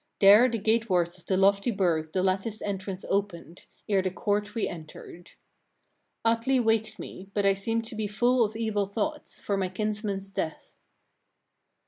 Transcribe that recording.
35. There the gate wards of the lofty burgh the latticed entrance opened, ere the court we entered. 36. Atli waked me, but I seemed to be full of evil thoughts, for my kinsmen's death.